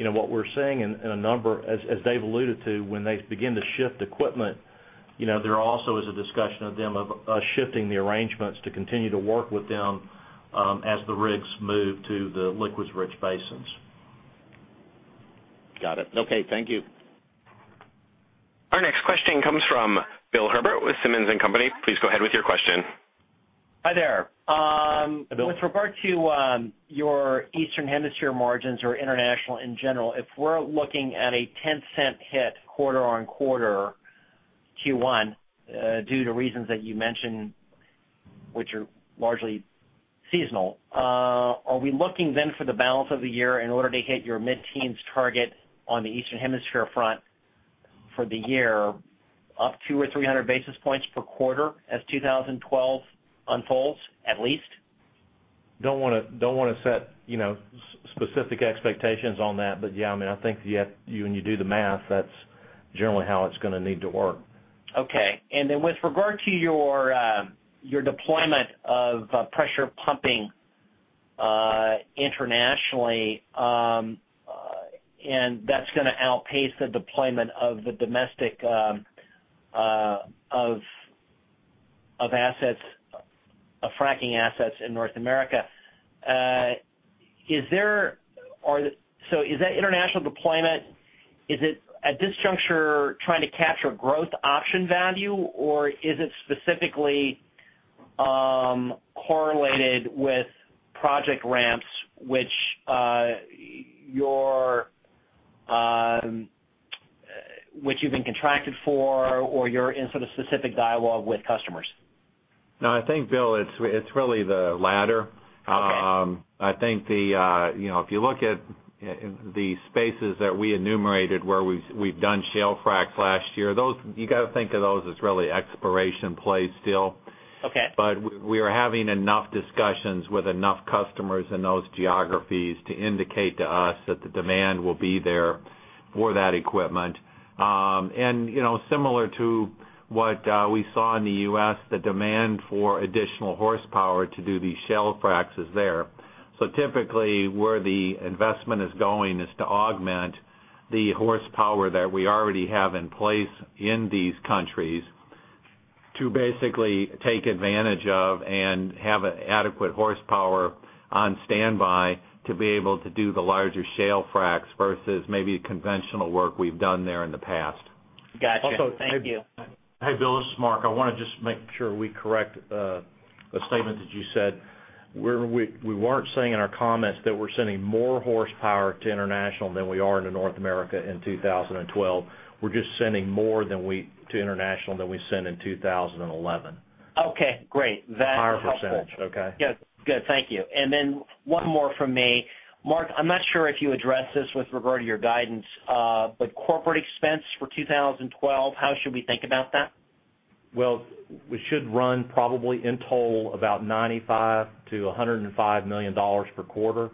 What we're seeing in a number, as they've alluded to, when they begin to shift equipment, there also is a discussion of them shifting the arrangements to continue to work with them as the rigs move to the liquids-rich basins. Got it. Okay. Thank you. Our next question comes from Bill Herbert with Simmons & Company. Please go ahead with your question. Hi there. With regard to your Eastern Hemisphere margins or international in general, if we're looking at a $0.10 hit quarter on quarter Q1 due to reasons that you mentioned, which are largely seasonal, are we looking then for the balance of the year in order to hit your mid-teens target on the Eastern Hemisphere front for the year up 200 or 300 basis points per quarter as 2012 unfolds, at least? don't want to set specific expectations on that, but yeah, I mean, I think that you have to, when you do the math, that's generally how it's going to need to work. Okay. With regard to your deployment of pressure pumping internationally, that's going to outpace the deployment of the domestic frac assets in North America. Is that international deployment at this juncture trying to capture a growth option value, or is it specifically correlated with project ramps which you've been contracted for or you're in specific dialogue with customers? No, I think, Bill, it's really the latter. If you look at the spaces that we enumerated where we've done shale frac last year, you have to think of those as really exploration plays still. We are having enough discussions with enough customers in those geographies to indicate to us that the demand will be there for that equipment. Similar to what we saw in the U.S., the demand for additional horsepower to do these shale fracs is there. Typically, where the investment is going is to augment the horsepower that we already have in place in these countries to basically take advantage of and have adequate horsepower on standby to be able to do the larger shale fracs versus maybe conventional work we've done there in the past. Gotcha. Also, thank you. Hey, Bill, this is Mark. I want to just make sure we correct a statement that you said. We weren't saying in our comments that we're sending more horsepower to international than we are into North America in 2012. We're just sending more to international than we sent in 2011. Okay, great. Higher percentage. Good. Thank you. One more from me. Mark, I'm not sure if you addressed this with regard to your guidance, but corporate expense for 2012, how should we think about that? We should run probably in total about $95 million-$105 million per quarter.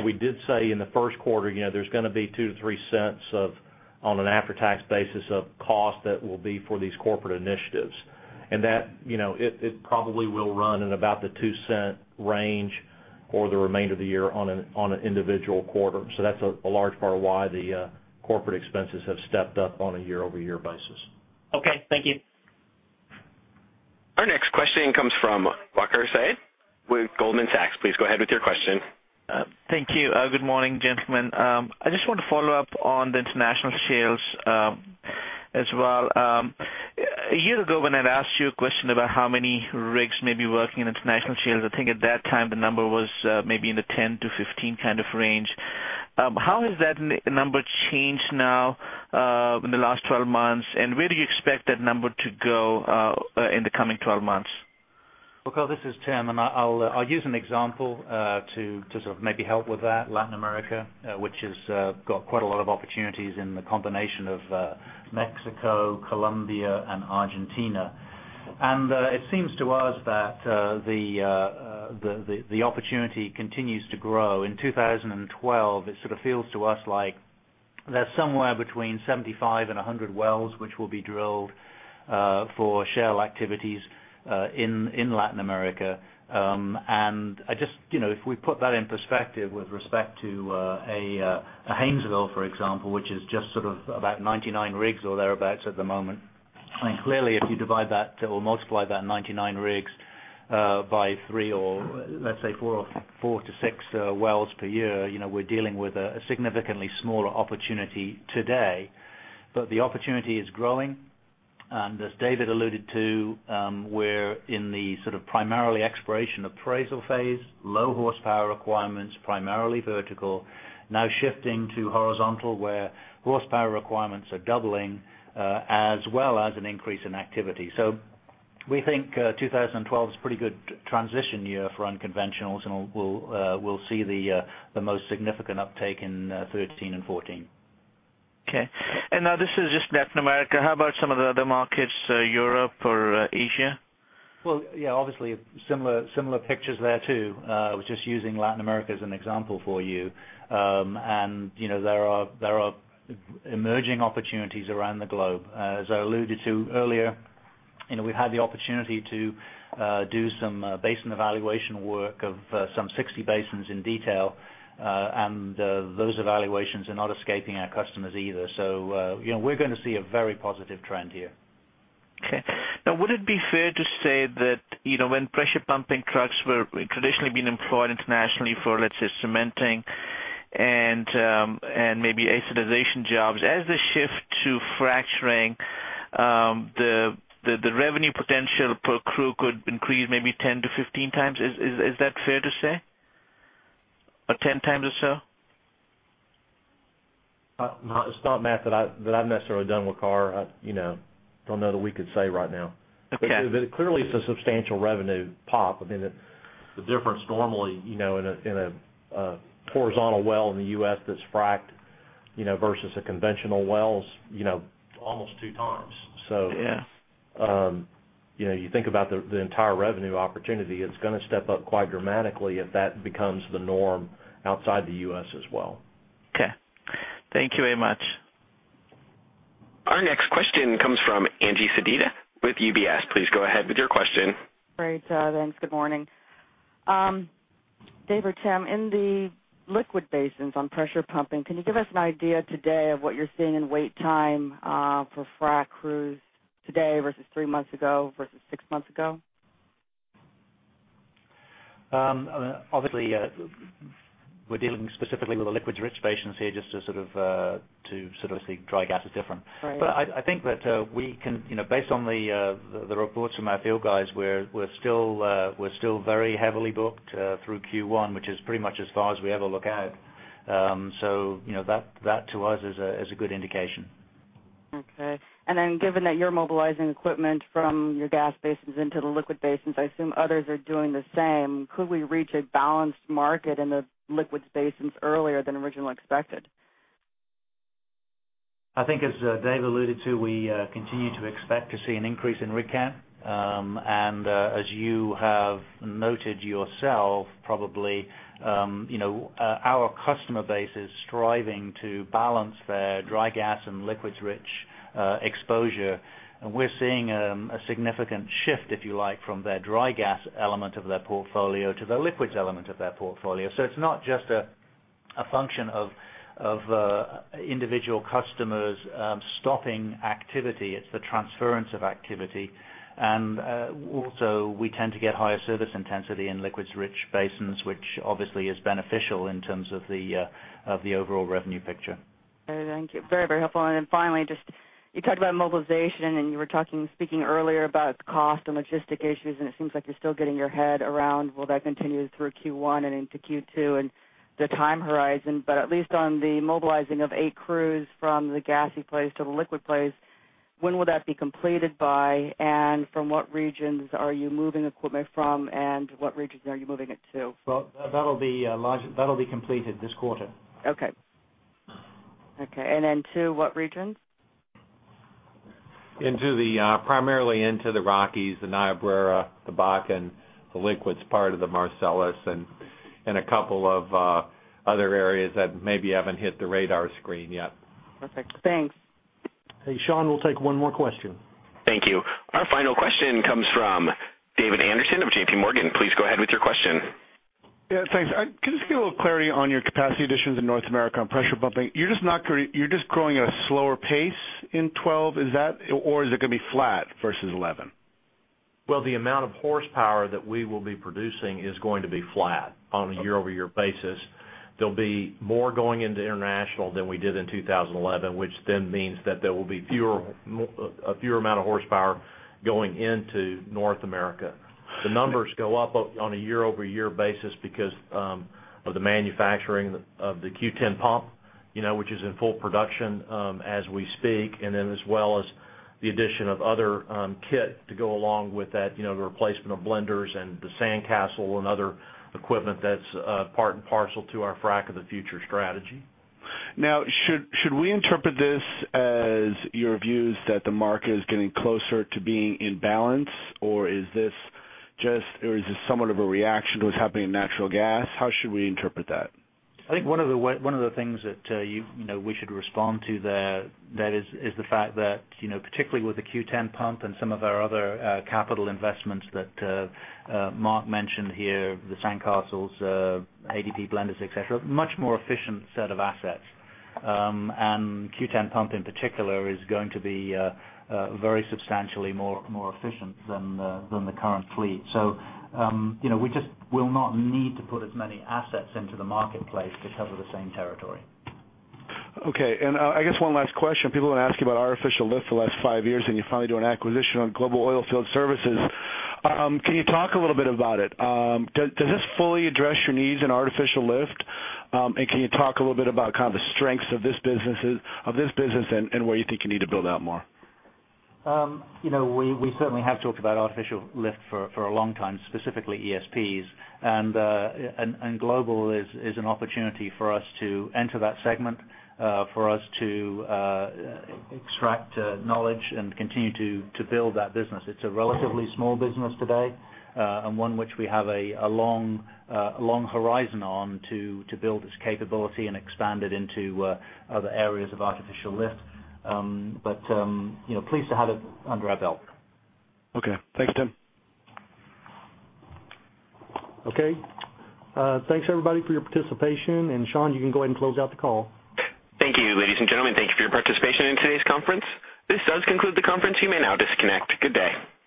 In the first quarter, you know, there's going to be $0.02-$0.03 on an after-tax basis of cost that will be for these corporate initiatives. That probably will run in about the $0.02 range for the remainder of the year on an individual quarter. That's a large part of why the corporate expenses have stepped up on a year-over-year basis. Okay, thank you. Our next question comes from Waqar Syed with Goldman Sachs. Please go ahead with your question. Thank you. Good morning, gentlemen. I just want to follow up on the international shales as well. A year ago, when I asked you a question about how many rigs may be working in international shales, I think at that time the number was maybe in the 10-15 kind of range. How has that number changed now in the last 12 months, and where do you expect that number to go in the coming 12 months? Waqar, this is Tim, and I'll use an example to maybe help with that. Latin America has quite a lot of opportunities in the combination of Mexico, Colombia, and Argentina. It seems to us that the opportunity continues to grow. In 2012, it feels to us like there's somewhere between 75 and 100 wells which will be drilled for shale activities in Latin America. If we put that in perspective with respect to a Hainesville, for example, which is about 99 rigs or thereabouts at the moment, if you divide that or multiply that 99 rigs by three or, let's say, four to six wells per year, we're dealing with a significantly smaller opportunity today. The opportunity is growing. As David alluded to, we're in the primarily exploration appraisal phase, low horsepower requirements, primarily vertical, now shifting to horizontal where horsepower requirements are doubling, as well as an increase in activity. We think 2012 is a pretty good transition year for unconventionals, and we'll see the most significant uptake in 2013 and 2014. Okay. This is just Latin America. How about some of the other markets, Europe or Asia? Obviously, similar pictures there too. I was just using Latin America as an example for you. You know, there are emerging opportunities around the globe. As I alluded to earlier, we've had the opportunity to do some basin evaluation work of some 60 basins in detail. Those evaluations are not escaping our customers either. You know, we're going to see a very positive trend here. Okay. Now, would it be fair to say that, you know, when pressure pumping trucks were traditionally being employed internationally for, let's say, cementing and maybe acidization jobs, as the shift to fracturing, the revenue potential per crew could increase maybe 10x-15x? Is that fair to say? Or 10x or so? It's not a math that I've necessarily done with Waqar. I don't know that we could say right now. Clearly, it's a substantial revenue pop. I mean, the difference normally in a horizontal well in the U.S. that's fracked versus a conventional well's almost 2x. You think about the entire revenue opportunity. It's going to step up quite dramatically if that becomes the norm outside the U.S. as well. Okay, thank you very much. Our next question comes from Angie Sedita with UBS. Please go ahead with your question. Great. Thanks. Good morning. Dave or Tim, in the liquid basins on pressure pumping, can you give us an idea today of what you're seeing in wait time for frac crews today versus three months ago versus six months ago? Obviously, we're dealing specifically with the liquids-rich basins here just to sort of see dry gas is different. I think that we can, you know, based on the reports from our field guys, we're still very heavily booked through Q1, which is pretty much as far as we ever look out. That to us is a good indication. Okay. Given that you're mobilizing equipment from your gas basins into the liquid basins, I assume others are doing the same. Could we reach a balanced market in the liquids basins earlier than originally expected? I think, as Dave alluded to, we continue to expect to see an increase in rig count. As you have noted yourself, probably, our customer base is striving to balance their dry gas and liquids-rich exposure. We're seeing a significant shift, if you like, from their dry gas element of their portfolio to the liquids element of their portfolio. It's not just a function of individual customers stopping activity. It's the transference of activity. We tend to get higher service intensity in liquids-rich basins, which obviously is beneficial in terms of the overall revenue picture. Thank you. Very, very helpful. Finally, you talked about mobilization, and you were speaking earlier about cost and logistic issues. It seems like you're still getting your head around whether that will continue through Q1 and into Q2 and the time horizon. At least on the mobilizing of eight crews from the gassy place to the liquid place, when will that be completed by, and from what regions are you moving equipment from, and what regions are you moving it to? That'll be completed this quarter. Okay. Okay. To what regions? Primarily into the Rockies, the Niobrara, the Bakken, the liquids part of the Marcellus, and a couple of other areas that maybe haven't hit the radar screen yet. Perfect. Thanks. Hey, Sean, we'll take one more question. Thank you. Our final question comes from David Anderson of JPMorgan. Please go ahead with your question. Yeah, thanks. Can I just get a little clarity on your capacity additions in North America on pressure pumping? You're just not going to, you're just growing at a slower pace in 2012, is that, or is it going to be flat versus 2011? The amount of horsepower that we will be producing is going to be flat on a year-over-year basis. There'll be more going into international than we did in 2011, which means that there will be a fewer amount of horsepower going into North America. The numbers go up on a year-over-year basis because of the manufacturing of the Q10 pump, which is in full production as we speak, as well as the addition of other kits to go along with that, the replacement of blenders, the SandCastle, and other equipment that's part and parcel to our Frac of the Future strategy. Now, should we interpret this as your views that the market is getting closer to being in balance, or is this just, or is this somewhat of a reaction to what's happening in natural gas? How should we interpret that? I think one of the things that we should respond to there is the fact that, particularly with the Q10 pump and some of our other capital investments that Mark mentioned here, the SandCastle, ADP blenders, etc., it is a much more efficient set of assets. The Q10 pump in particular is going to be very substantially more efficient than the current fleet. We just will not need to put as many assets into the marketplace to cover the same territory. Okay. I guess one last question. People have been asking about artificial lift the last five years, and you finally do an acquisition on Global Oilfield Services. Can you talk a little bit about it? Does this fully address your needs in artificial lift, and can you talk a little bit about kind of the strengths of this business and where you think you need to build out more? We certainly have talked about artificial lift for a long time, specifically ESPs, and Global is an opportunity for us to enter that segment, for us to extract knowledge and continue to build that business. It's a relatively small business today and one which we have a long horizon on to build its capability and expand it into other areas of artificial lift. Pleased to have it under our belt. Okay, thank you, Tim. Okay. Thanks, everybody, for your participation. Sean, you can go ahead and close out the call. Thank you, ladies and gentlemen. Thank you for your participation in today's conference. This does conclude the conference. You may now disconnect. Good day.